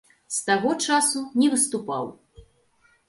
З таго часу не выступаў.